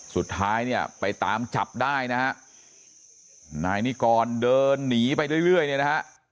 สุดท้ายเนี่ยไปตามจับได้นะฮะนายนิกรเดินหนีไปเรื่อยเรื่อยเนี่ยนะฮะ